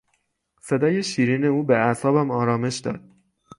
صدای شیرین او به اعصابم آرامش داد.